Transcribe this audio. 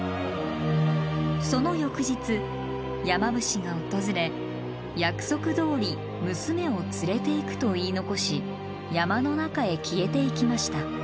その翌日山伏が訪れ約束どおり娘を連れていくと言い残し山の中へ消えていきました。